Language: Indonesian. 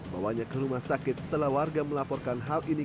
bawanya ke rumah sakit setelah warga melaporkan hal ini